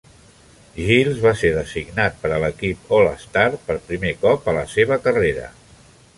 Giles va ser designat per a l'equip All-Star per primer cop a la seva carrera.